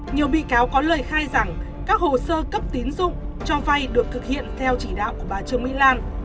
nhiều bị cáo có lời khai rằng các hồ sơ cấp tín dụng cho vay được thực hiện theo chỉ đạo của bà trương mỹ lan